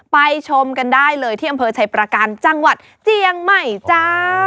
ชมกันได้เลยที่อำเภอชัยประการจังหวัดเจียงใหม่จ้า